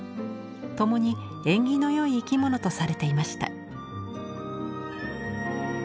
共に縁起のよい生き物とされていました。